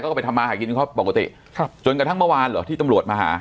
ก็ไปทำมาหากินเขาปกติครับจนกระทั่งเมื่อวานเหรอที่ตำรวจมาหา